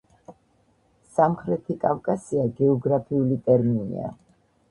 სამხრეთი კავკასია გეოგრაფიული ტერმინია.